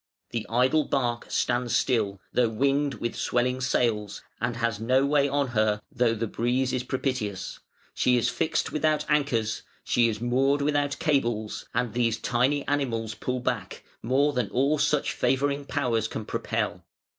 The idle bark stands still, though winged with swelling sails, and has no way on her though the breeze is propitious; she is fixed without anchors; she is moored without cables, and these tiny animals pull back, more than all such favouring powers can propel.